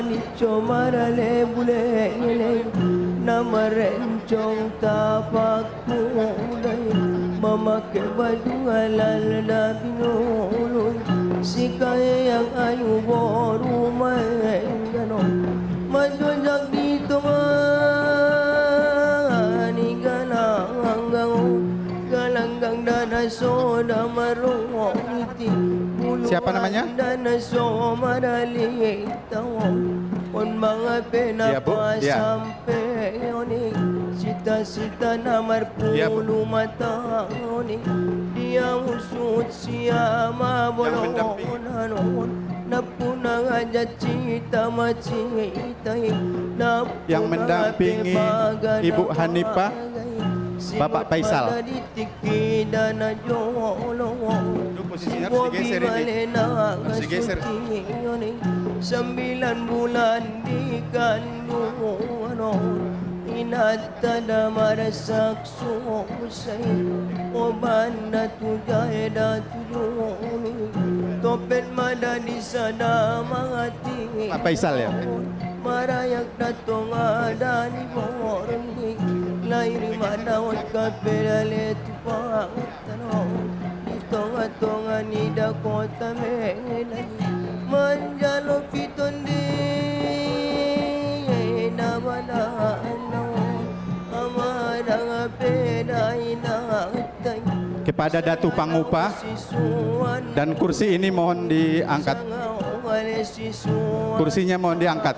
ibu ibu hanipah